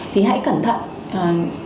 thì hãy cẩn thận